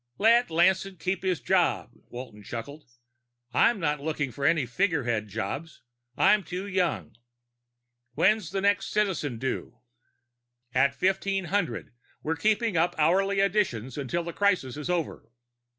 "Let Lanson keep his job," Walton chuckled. "I'm not looking for any figurehead jobs. I'm too young. When's the next Citizen due?" "At 1500. We're keeping up hourly editions until the crisis is over."